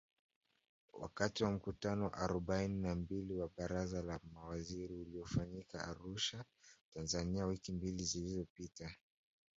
Wakati wa mkutano wa arobaini na mbili wa Baraza la Mawaziri uliofanyika Arusha, Tanzania wiki mbili zilizopita